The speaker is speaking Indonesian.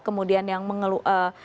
kemudian yang mengelu